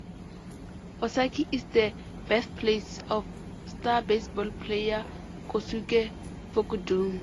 Osaki is the birthplace of star baseball player Kosuke Fukudome.